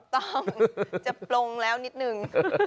ต้องจะปลงแล้วนิดนึง